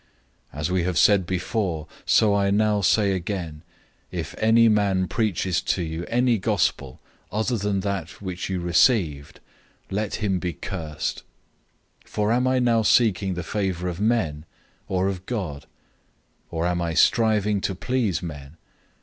001:009 As we have said before, so I now say again: if any man preaches to you any "good news" other than that which you received, let him be cursed. 001:010 For am I now seeking the favor of men, or of God? Or am I striving to please men?